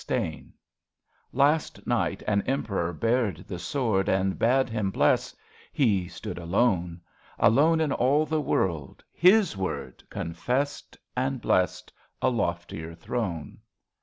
16 mmmsswT?' A BELGIAN CHRISTMAS EVE Last night an Emperor bared the sword And bade him bless. He stood alone. Alone in all the world, his word Confessed — and blessed — a loftier throne.